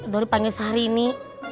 dori panggil si harini